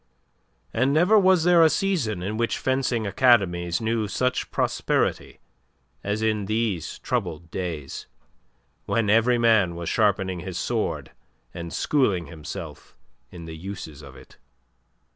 And never was there a season in which fencing academies knew such prosperity as in these troubled days, when every man was sharpening his sword and schooling himself in the uses of it.